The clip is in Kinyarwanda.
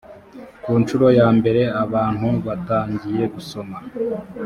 ku ncuro ya mbere abantu batangiye gusoma